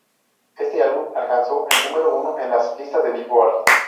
Este álbum alcanzó el número uno en las listas de "Billboard".